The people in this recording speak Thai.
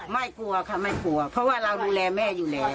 ไม่กลัวค่ะไม่กลัวเพราะว่าเราดูแลแม่อยู่แล้ว